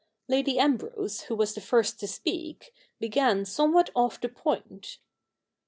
Lady Ambrose, who was the first to speak, began somewhat off the point.